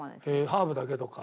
ハーブだけとか。